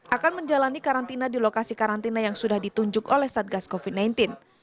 akan menjalani karantina di lokasi karantina yang sudah ditunjuk oleh satgas covid sembilan belas